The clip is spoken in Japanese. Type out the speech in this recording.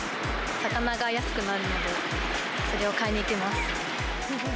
魚が安くなるので、それを買いに行きます。